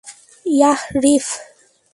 Yeah, reef!